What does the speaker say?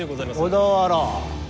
小田原？